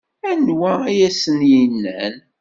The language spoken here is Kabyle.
Anwa ay asen-yennan?